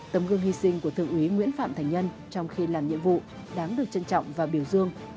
tấm gương hy sinh của thượng úy nguyễn phạm thành nhân trong khi làm nhiệm vụ đáng được trân trọng và biểu dương